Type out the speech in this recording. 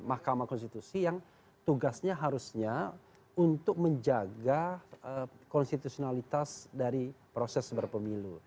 mahkamah konstitusi yang tugasnya harusnya untuk menjaga konstitusionalitas dari proses berpemilu